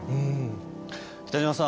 北島さん